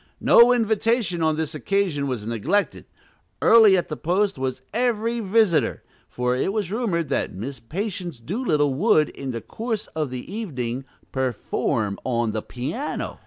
No invitation on this occasion was neglected; early at the post was every visitor, for it was rumored that Miss Patience Doolittle would, in the course of the evening, "perform on the piano."